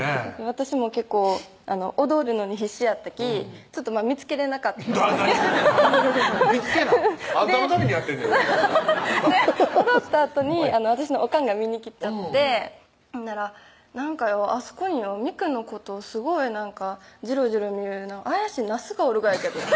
私も結構踊るのに必死やったきちょっと見つけれなかった何してんねんな見つけなあんたのためにやってんねんアハハハッ踊ったあとに私のおかんが見に来ちょってほんなら「なんかあそこに未来のことすごいじろじろ見る怪しいなすがおるがやけど」